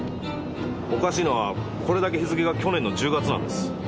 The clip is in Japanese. おかしいのはこれだけ日付が去年の１０月なんです。